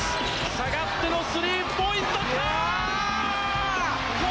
下がってのスリーポイントシュート！